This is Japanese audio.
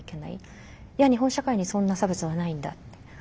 「いや日本社会にそんな差別はないんだ。